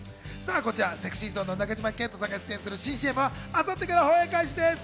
ＳｅｘｙＺｏｎｅの中島健人さんが出演する新ＣＭは明後日から放映開始です。